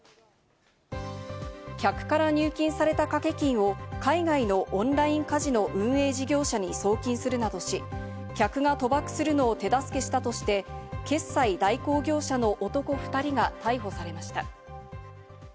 客から入金された掛け金を海外のオンラインカジノ運営事業者に送金するなどし、客が賭博するのを手助けしたとして、決済代行業者の男２人が逮捕されました。